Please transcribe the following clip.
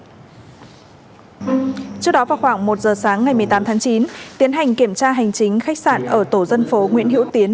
trước đó vào khoảng một giờ sáng ngày một mươi tám tháng chín tiến hành kiểm tra hành chính khách sạn ở tổ dân phố nguyễn hữu tiến